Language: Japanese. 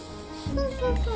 そうそうそう。